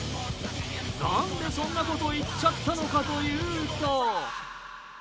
なんでそんなこと言っちゃったのかというと。